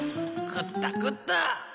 食った食った。